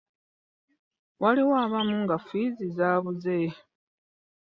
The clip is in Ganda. Waliwo abamu nga ffiizi zaabuze.